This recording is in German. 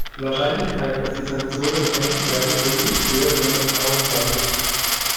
Die Wahrscheinlichkeit, dass die Sanktionen verhängt werden, wird nicht höher, wenn man sie ausweitet.